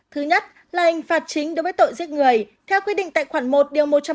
thứ nhất là hình phạt chính đối với tội giết người theo quy định tại khoản một điều một trăm hai mươi ba